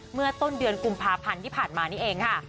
เมื่อต้นเดือนกุมภาพันธ์ที่ผ่านมานี่เองค่ะ